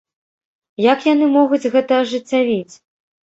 Як яны могуць гэта ажыццявіць?